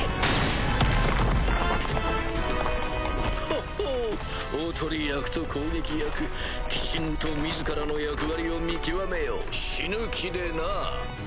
ホッホおとり役と攻撃役きちんと自らの役割を見極めよ死ぬ気でな。